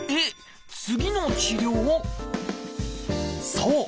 そう！